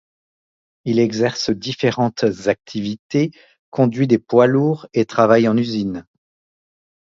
Il exerce différentes activités, conduit des poids-lourds et travaille en usine.